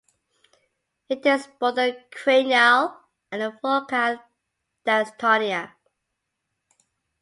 It is both a cranial and a focal dystonia.